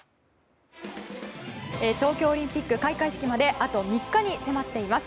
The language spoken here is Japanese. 東京オリンピック開会式まであと３日に迫っています。